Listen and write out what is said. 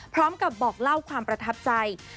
พร้อมกับบอกเล่าความประทับใจ